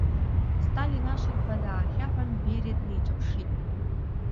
Сталин ашырҳәа даахьаҳәын Бериа днеиҿаԥшит.